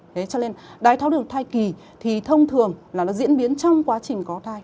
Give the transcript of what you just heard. thế cho nên đái tháo đường thai kỳ thì thông thường là nó diễn biến trong quá trình có thai